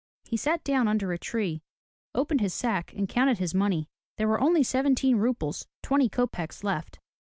He sat down under a tree, opened his sack and counted his money. There were only seventeen roubles, twenty kopeks left.